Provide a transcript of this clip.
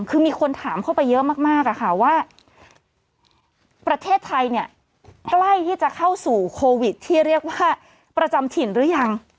คือมีคนถามเข้าไปเยอะมากว่าประเทศไทยเนี่ยใกล้ที่จะเข้าสู่โควิดที่เรียกว่าประจำถิ่นหรือยัง